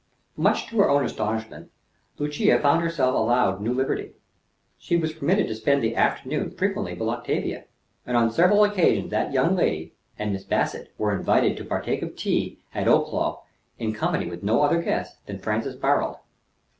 Much to her own astonishment, Lucia found herself allowed new liberty. She was permitted to spend the afternoon frequently with Octavia; and on several occasions that young lady and Miss Bassett were invited to partake of tea at Oldclough in company with no other guest than Francis Barold.